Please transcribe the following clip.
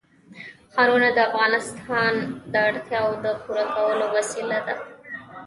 ښارونه د افغانانو د اړتیاوو د پوره کولو وسیله ده.